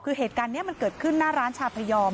คือเหตุการณ์นี้มันเกิดขึ้นหน้าร้านชาพยอม